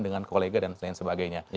dengan kolega dan lain sebagainya